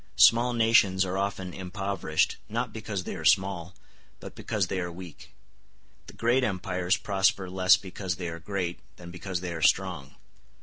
Small nations are often impoverished, not because they are small, but because they are weak; the great empires prosper less because they are great than because they are strong.